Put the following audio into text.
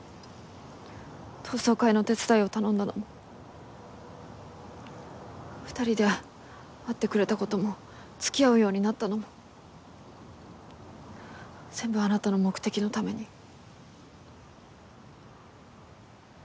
同窓会の手伝いを頼んだのも２人で会ってくれた事も付き合うようになったのも全部あなたの目的のために？